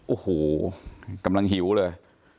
โอ้โหกำลังหิวเลย